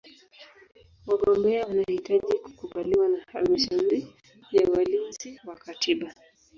Wagombea wanahitaji kukubaliwa na Halmashauri ya Walinzi wa Katiba.